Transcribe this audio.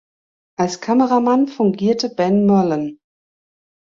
Als Kameramann fungierte Ben Mullen.